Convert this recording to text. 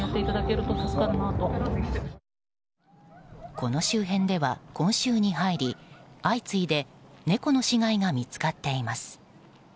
この周辺では今週に入り相次いで猫の死骸が見つかっています。